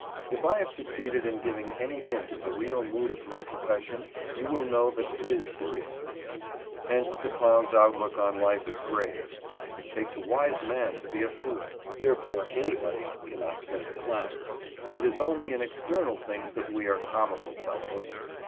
If I have succeeded in giving any hint of the real mood of my profession, you will know that it is seriousness. Hence the clown's outlook on life is grave. It takes a wise man to be a fool. Therefore anybody cannot play the clown. It is only in external things that we are "comical fellows."